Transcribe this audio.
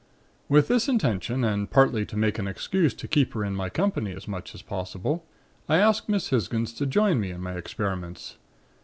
"With this intention and partly to make an excuse to keep her in my company as much as possible, I asked Miss Hisgins to join me in my experiments.